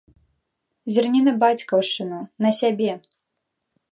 Зірні на бацькаўшчыну, на сябе!